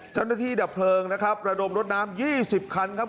เจ้าหน้าที่ดับเพลิงนะครับระดมรถน้ำยี่สิบคันครับ